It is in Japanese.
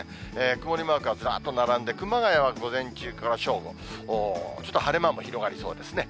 曇りマークがずらっと並んで、熊谷は午前中から正午、ちょっと晴れ間も広がりそうですね。